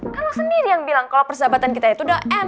kan lo sendiri yang bilang kalo persahabatan kita itu udah end